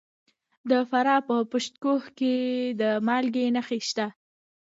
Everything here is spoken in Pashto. د فراه په پشت کوه کې د مالګې نښې شته.